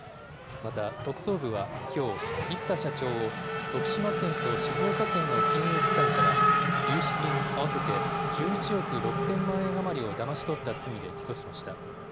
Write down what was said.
また、特捜部はきょう、生田社長を、徳島県と静岡県の金融機関から、融資金合わせて１１億６０００万円余りをだまし取った罪で起訴しました。